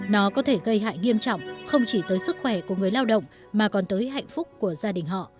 nó có thể gây ra rất nhiều vấn đề